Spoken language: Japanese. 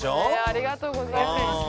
ありがとうございます。